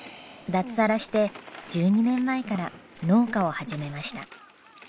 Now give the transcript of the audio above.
脱サラして１２年前から農家を始めました。